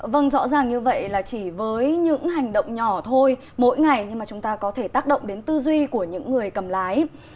vâng rõ ràng như vậy là chỉ với những hành động nhỏ thôi mỗi ngày nhưng mà chúng ta có thể tác động đến tư duy của những người cầm lái